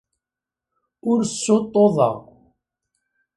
Ur ssuṭṭuḍeɣ.